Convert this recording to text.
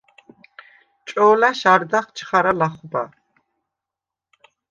ჭო̄ლა̈შ არდახ ჩხარა ლახვბა.